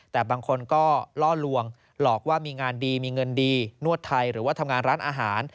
แต่บางคนก็ล่อลวงหลอกว่ามีงานดีมีเงินดีนวดไทยหรือว่าทำงานร้านอาหาร